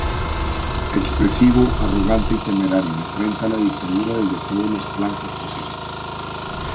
Expresivo, arrogante y temerario, enfrenta la dictadura desde todos los flancos posibles.